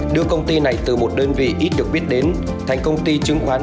đưa công ty này từ một đơn vị ít được biết đến thành công ty chứng khoán